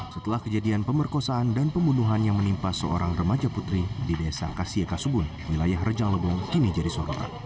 setelah kejadian pemerkosaan dan pembunuhan yang menimpa seorang remaja putri di desa kasie kasubun wilayah rejang lebong kini jadi sorotan